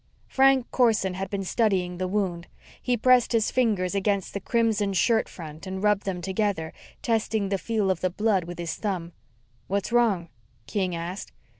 Frank Corson had been studying the wound. He pressed his fingers against the crimson shirt front and rubbed them together, testing the feel of the blood with his thumb. "What's wrong?" King asked.